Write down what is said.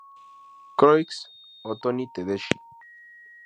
Croix o Tony Tedeschi.